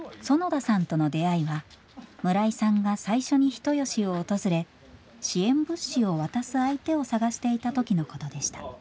園田さんとの出会いは村井さんが最初に人吉を訪れ支援物資を渡す相手を探していた時のことでした。